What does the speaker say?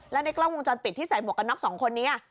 และในกล้องวงจรปิดที่ใส่หมวกกันน็อกสองคนนี้